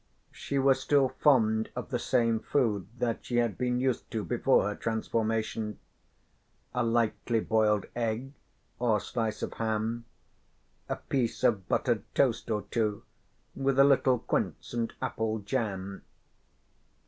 She was still fond of the same food that she had been used to before her transformation, a lightly boiled egg or slice of ham, a piece of buttered toast or two, with a little quince and apple jam.